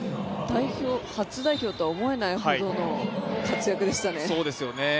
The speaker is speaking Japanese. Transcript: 初代表とは思えないほどの活躍でしたね。